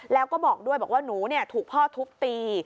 แล้วก็บอกด้วยบอกว่าหนูถูกพ่อทุบตี